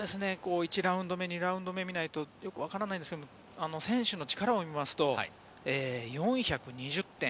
１位ラウンド、２ラウンド目を見ないとわからないですが、選手の力を見ますと、４２０点。